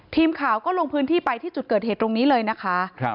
ทีมข่าวก็ลงพื้นที่ไปที่จุดเกิดเหตุตรงนี้เลยนะคะ